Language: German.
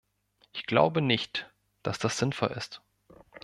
Ich glaube nicht, dass das sinnvoll.